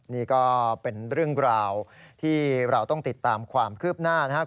นี่ก็เป็นเรื่องราวที่เราต้องติดตามความคืบหน้านะครับ